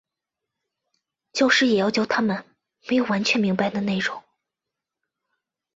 教师也要教他们没有完全明白的内容。